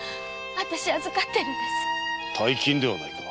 大金ではないか。